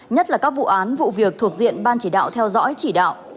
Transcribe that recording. nhất là các vụ án vụ việc thuộc diện ban chỉ đạo theo dõi chỉ đạo